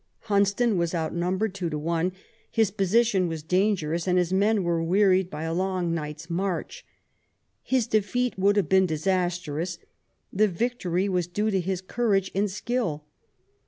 Hunsdon was out numbered two to one; his position was dangerous; and his men were wearied by a long night's march. His defeat would have been disastrous; the victory was due to his courage and skill.